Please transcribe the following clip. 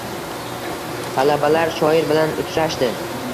Talabalar shoir bilan uchrashdi